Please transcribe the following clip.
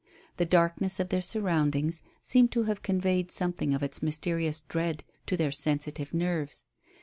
The darkness of their surroundings seemed to have conveyed something of its mysterious dread to their sensitive nerves.